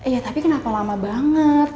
ya tapi kenapa lama banget